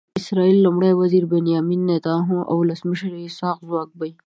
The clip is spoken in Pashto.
د اسرائیلو لومړي وزير بنیامین نتنیاهو او ولسمشر اسحاق هرزوګ به.